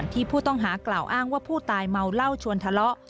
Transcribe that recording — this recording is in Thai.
ผู้ต้องหากล่าวอ้างว่าผู้ตายเมาเหล้าชวนทะเลาะ